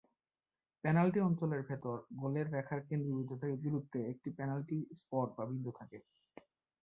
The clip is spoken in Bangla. পেনাল্টি অঞ্চলের ভেতর, গোলের রেখার কেন্দ্রবিন্দু থেকে দূরত্বে, একটি পেনাল্টি স্পট বা বিন্দু থাকে।